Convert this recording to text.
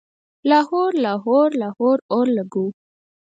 لاهور، لاهور، لاهور اولګوو